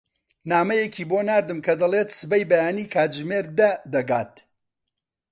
نامەیەکی بۆ ناردم کە دەڵێت سبەی بەیانی کاتژمێر دە دەگات.